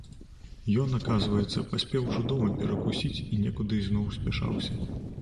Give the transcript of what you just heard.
Ён, аказваецца, паспеў ужо дома перакусіць і некуды ізноў спяшаўся.